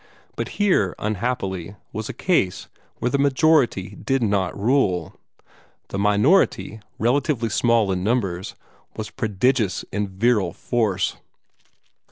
But here, unhappily, was a case where the majority did not rule. The minority, relatively small in numbers, was prodigious in virile force.